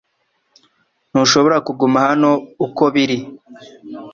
Ntushobora kuguma hano uko biri